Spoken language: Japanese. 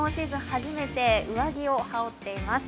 初めて、上着を羽織っています。